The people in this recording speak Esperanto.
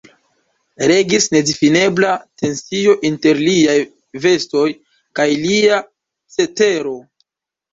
Regis nedifinebla tensio inter liaj vestoj kaj lia cetero.